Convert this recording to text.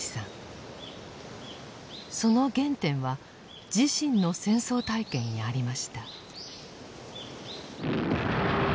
その原点は自身の戦争体験にありました。